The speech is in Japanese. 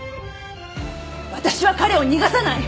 私は彼を逃がさない。